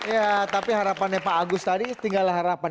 ya tapi harapannya pak agus tadi tinggallah harapan